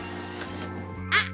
あっ！